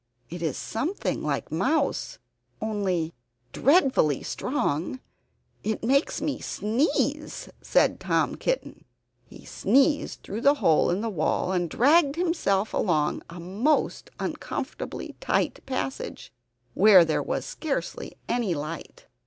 It is something like mouse, only dreadfully strong. It makes me sneeze," said Tom Kitten. He squeezed through the hole in the wall and dragged himself along a most uncomfortably tight passage where there was scarcely any light.